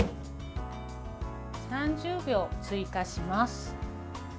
３０秒追加します。